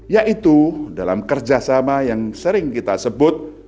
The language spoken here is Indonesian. yaitu dalam kerjasama yang sering kita sebut